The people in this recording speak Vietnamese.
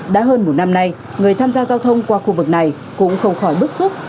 đã hơn một năm nay người tham gia giao thông qua khu vực này cũng không khỏi bức xúc